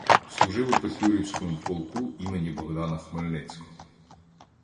Служив у петлюрівському полку імені Богдана Хмельницького.